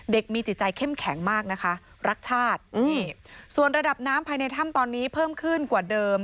มีจิตใจเข้มแข็งมากนะคะรักชาตินี่ส่วนระดับน้ำภายในถ้ำตอนนี้เพิ่มขึ้นกว่าเดิม